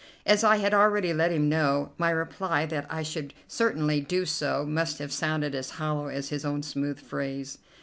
As I had already let him know, my reply that I should certainly do so must have sounded as hollow as his own smooth phrase.